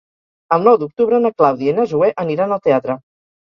El nou d'octubre na Clàudia i na Zoè aniran al teatre.